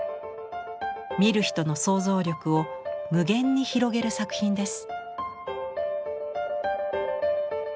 見る人の想像力を無限に広げる作品です。